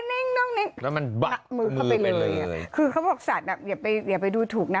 แล้วมันบะมือเข้าไปเลยคือเขาบอกสัตว์อย่าไปดูถูกนะ